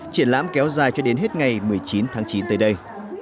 triển lãm kéo dài cho đến hết ngày một mươi chín tháng chín tới đây